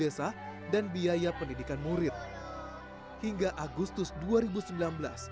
berdasarkan ulasan kabinet sebuah perusahaan berkampung di bumg mengajar kemampuan para guru yang mempunyai kekuasaan pengetahuan secara rasmi